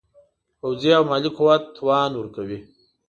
پوځي او مالي قوت توان ورکوي.